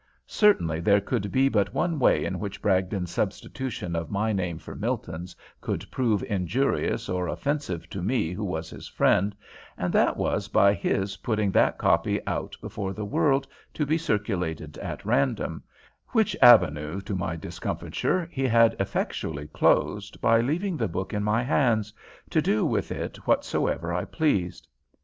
Certainly there could be but one way in which Bragdon's substitution of my name for Milton's could prove injurious or offensive to me who was his friend, and that was by his putting that copy out before the world to be circulated at random, which avenue to my discomfiture he had effectually closed by leaving the book in my hands, to do with it whatsoever I pleased.